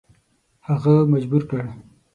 هغه مجبور کړ.